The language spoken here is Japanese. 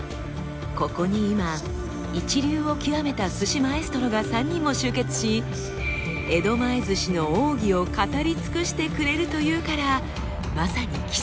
ここに今一流を極めた鮨マエストロが３人も集結し江戸前鮨の奥義を語り尽くしてくれるというからまさに奇跡です。